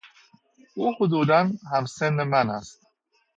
او حدودا هم سن من است.